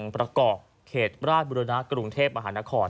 ประกอบเขตราชบุรณะกรุงเทพมหานคร